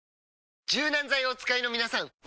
柔軟剤をお使いのみなさん！